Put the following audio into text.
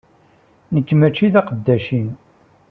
Nekk mačči d aqeddac-im!